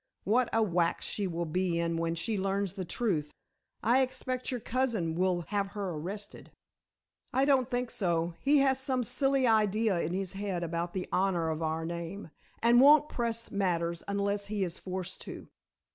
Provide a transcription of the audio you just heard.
What a wax she will be in when she learns the truth. I expect your cousin will have her arrested." "I don't think so. He has some silly idea in his head about the honor of our name, and won't press matters unless he is forced to."